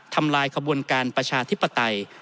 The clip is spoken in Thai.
ทำลายขบวนการประชาธิปไตย